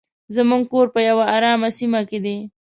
زموږ کور په یو ارامه سیمه کې دی.